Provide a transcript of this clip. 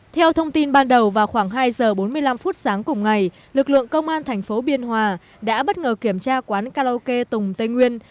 theo thông tin ban đầu vào khoảng hai giờ bốn mươi năm phút sáng cùng ngày lực lượng công an thành phố biên hòa đã bất ngờ kiểm tra quán karaoke tùng tây nguyên